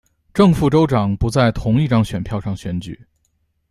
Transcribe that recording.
正副州长不在同一张选票上选举。